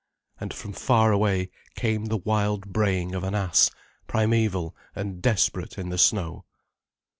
And from far away came the wild braying of an ass, primeval and desperate in the snow.